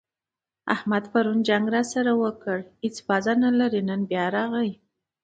احمد پرون جنګ راسره وکړ؛ هيڅ پزه نه لري - نن راغی.